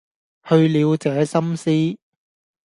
去了這心思，